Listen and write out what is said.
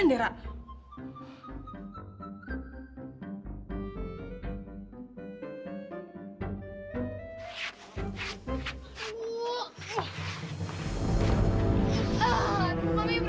mami berat banget